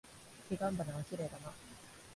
彼岸花はきれいだな。